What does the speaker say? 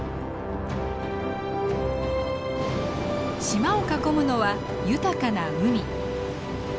島を囲むのは豊かな海。